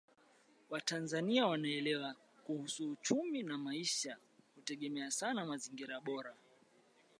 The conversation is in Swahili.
Watanzania wanaelewa kuhusu uchumi na maisha hutegemea sana mazingira bora